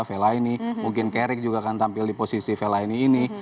fellaini mungkin carrick juga akan tampil di posisi fellaini ini